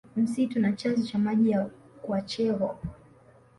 Msitu na chanzo cha maji ya kwachegho